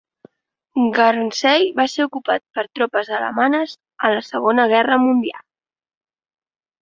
Guernsey va ser ocupat per tropes alemanyes en la Segona Guerra Mundial.